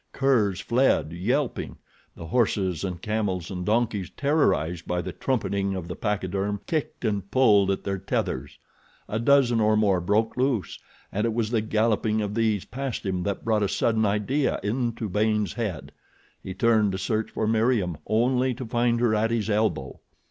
Curs fled, yelping. The horses and camels and donkeys, terrorized by the trumpeting of the pachyderm, kicked and pulled at their tethers. A dozen or more broke loose, and it was the galloping of these past him that brought a sudden idea into Baynes' head. He turned to search for Meriem only to find her at his elbow.